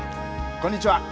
こんにちは。